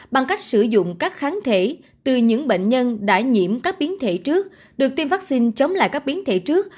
bằng cách sử dụng các kháng thể từ những bệnh nhân đã nhiễm các biến thể trước được tiêm vaccine chống lại các biến thể trước